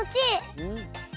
うん。